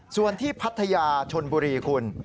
ส่วนที่พัทยาชนบุรีคุณ